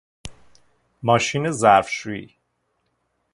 ماشین ظرفشویی